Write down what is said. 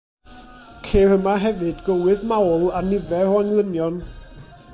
Ceir yma hefyd gywydd mawl a nifer o englynion.